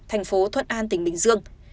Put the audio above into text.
tp thuận an tp bình dương